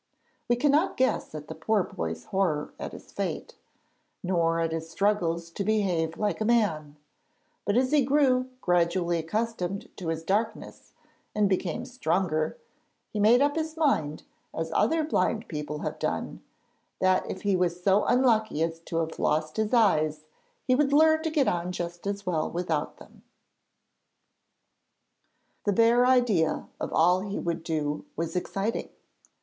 We cannot guess at the poor boy's horror at his fate, nor at his struggles to behave like a man, but as he grew gradually accustomed to his darkness and became stronger, he made up his mind, as other blind people have done, that if he was so unlucky as to have lost his eyes, he would learn to get on just as well without them. The bare idea of all he would do was exciting.